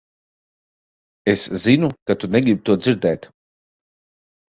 Es zinu, ka tu negribi to dzirdēt.